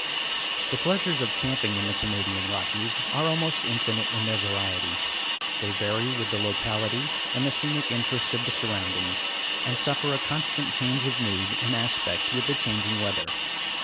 The pleasures of camping in the Canadian Rockies are almost infinite in their variety. They vary with the locality and the scenic interest of the surroundings, and suffer a constant change of mood and aspect with the changing weather.